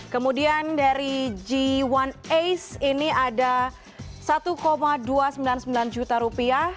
kemudian dari j satu ace ini ada rp satu dua ratus sembilan puluh sembilan